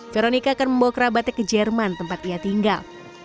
veronica akan membawa kerabatnya ke jerman tempat ia tinggal